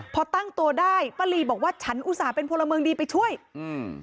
พอตั้งตัวได้ป้าลีบอกว่าฉันอุตส่าห์เป็นพลเมืองดีไปช่วยอืม